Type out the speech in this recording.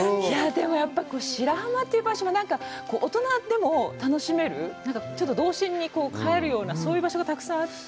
でも、やっぱり白浜という場所は、大人でも楽しめるなんか、ちょっと童心に返るようなそういう場所がたくさんあって。